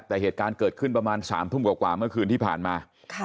แต่เหตุการณ์เกิดขึ้นประมาณ๓ทุ่มกว่าเมื่อคืนที่ผ่านมา